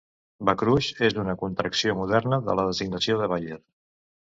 "Becrux" és una contracció moderna de la designació de Bayer.